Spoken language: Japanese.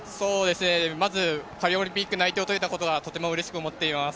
まず、パリオリンピック内定を取れたことはとてもうれしく思っています。